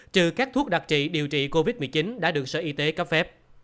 trừ các thuốc đặc trị điều trị covid một mươi chín đã được sở y tế cấp phép